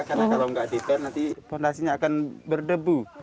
karena kalau nggak dipel nanti fondasinya akan berdebu